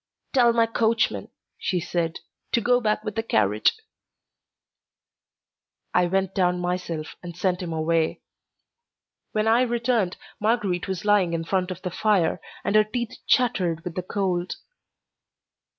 "Tell my coachman," she said, "to go back with the carriage." I went down myself and sent him away. When I returned Marguerite was lying in front of the fire, and her teeth chattered with the cold.